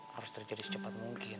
harus terjadi secepat mungkin